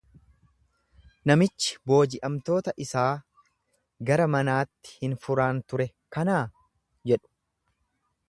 Namichi booji’amtoota isaa gara manaatti hin furaan ture kanaa? jedhu.